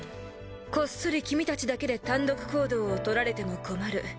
こっそり君たちだけで単独行動をとられても困る。